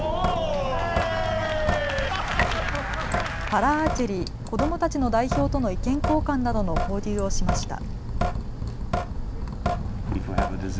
パラアーチェリー子どもたちの代表との意見交換などの交流をしました。